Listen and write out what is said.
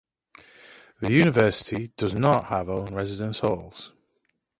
The University does not have own residence halls.